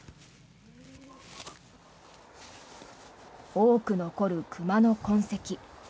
多く残る熊の痕跡。